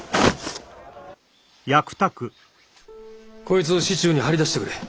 こいつを市中に張り出してくれ。